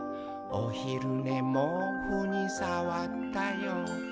「おひるねもうふにさわったよ」